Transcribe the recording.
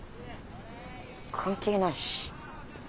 関係ないし。